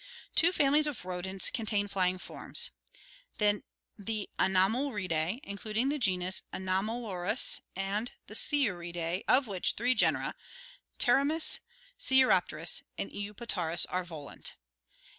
Two families of rodents contain flying forms: the Anomaluridse, including the genus Anotnalurus, and the Sciuridse; of which three genera, Pterotnys, Sciuropterus, and Eupetaurus, are volant.